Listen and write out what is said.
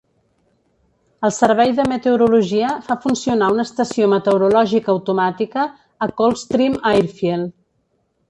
El servei de meteorologia fa funcionar una estació meteorològica automàtica a Coldstream Airfield.